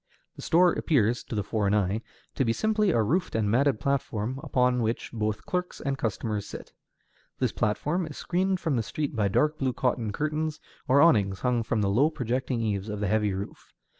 The store appears, to the foreign eye, to be simply a roofed and matted platform upon which both clerks and customers sit. This platform is screened from the street by dark blue cotton curtains or awnings hung from the low projecting eaves of the heavy roof.